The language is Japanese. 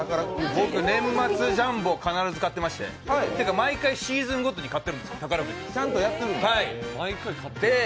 僕年末ジャンボを必ず買ってまして毎回シーズンごとに買ってるんですよ、宝くじ。